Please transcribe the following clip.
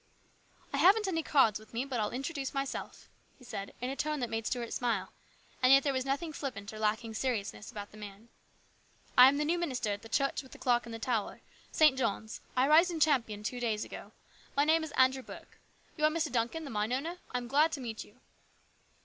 " I haven't any cards with me, but I'll introduce myself," he said in a tone that made Stuart smile, and yet there was nothing flippant or lacking in seriousness about the man. " I am the new minister at the church with the clock in the tower St. John's. I arrived in Champion two days ago. My name THE RESCUE. 73 is Andrew Burke. You are Mr. Duncan, the mine owner ? I am glad to meet you."